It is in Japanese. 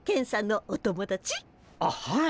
あっはい。